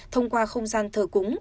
thông qua không gian thờ cúng